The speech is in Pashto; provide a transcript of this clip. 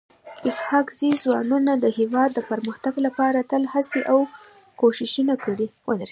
اسحق زي ځوانانو د هيواد د پرمختګ لپاره تل هڅي او کوښښونه کړي.